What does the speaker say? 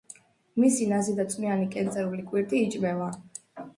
მისი ნაზი და წვნიანი კენწრული კვირტი იჭმევა.